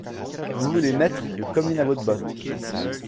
Vous voulez mettre les communes à votre botte.